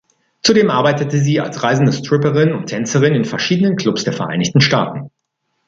Zudem arbeitete sie als reisende Stripperin und Tänzerin in verschiedenen Clubs der Vereinigten Staaten.